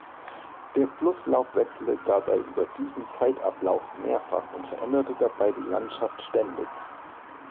Der Flusslauf wechselte dabei über diesen Zeitablauf mehrfach und veränderte dabei die Landschaft ständig.